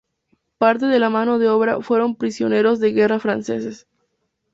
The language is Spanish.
Parte de la mano de obra fueron prisioneros de guerra franceses.